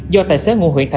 và sẽ nói là